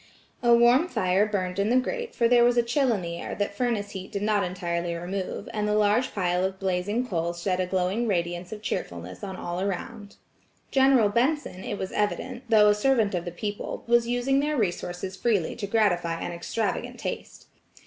A warm fire burned in the grate for there was a chill in the air that furnace heat did not entirely remove, and the large pile of blazing coals shed a glowing radiance of cheerfulness on all around. General Benson, it was evident, though a servant of the people, was using their resources freely to gratify an extravagant taste.